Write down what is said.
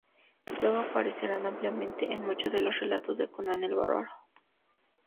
Luego aparecerán ampliamente en muchos de los relatos de Conan el bárbaro.